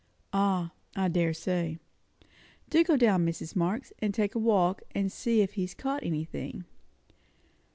"Ah, I dare say. Do go down, Mrs. Marx, and take a walk, and see if he has caught anything."